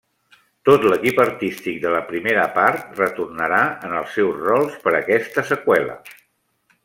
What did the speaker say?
Tot l'equip artístic de la primera part retornarà en els seus rols per aquesta seqüela.